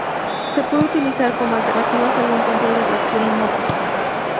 Se puede utilizar como alternativas algún control de tracción en motos.